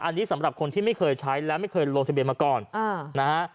อันนี้สำหรับคนที่ไม่เคยใช้และไม่เคยลงทะเบียนมาก่อนนะฮะ